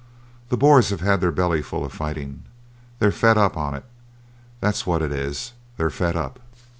The Boers have had their belly full of fighting. They're fed up on it; that's what it is; they're fed up."